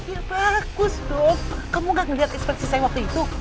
ya bagus tuh kamu gak ngeliat inspeksi saya waktu itu